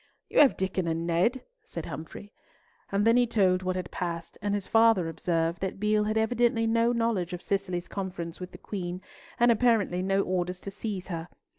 "You have Diccon and Ned," said Humfrey. And then he told what had passed, and his father observed that Beale had evidently no knowledge of Cicely's conference with the Queen, and apparently no orders to seize her.